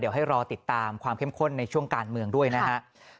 เดี๋ยวให้รอติดตามความเข้มข้นในช่วงการเมืองด้วยนะฮะ